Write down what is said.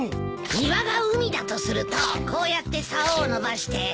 庭が海だとするとこうやってさおをのばして。